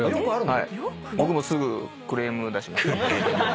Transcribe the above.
僕もすぐクレーム出します。